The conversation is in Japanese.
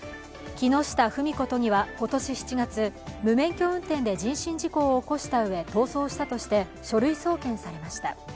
木下富美子都議は今年７月、無免許運転で人身事故を起こしたうえ、逃走したとして書類送検されました。